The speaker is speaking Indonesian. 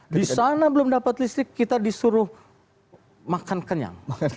di sana belum dapat listrik kita disuruh makan kenyang